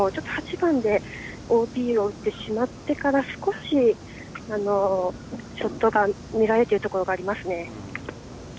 ８番で、ＯＢを打ってしまってから、少しショットが乱れてるところがありますね。